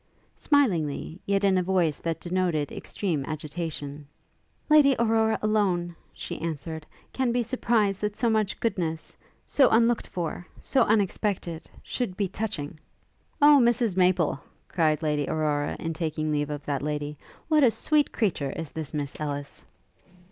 Smilingly, yet in a voice that denoted extreme agitation, 'Lady Aurora alone,' she answered, 'can be surprised that so much goodness so unlooked for so unexpected should be touching!' 'O Mrs Maple,' cried Lady Aurora, in taking leave of that lady, 'what a sweet creature is this Miss Ellis!'